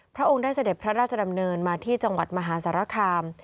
พระองค์ได้เสด็จพระราชดำเนินมาที่จังหวัดมหาสารคาม